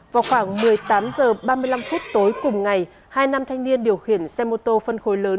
vào khoảng một mươi tám h ba mươi năm phút tối cùng ngày hai nam thanh niên điều khiển xe mô tô phân khối lớn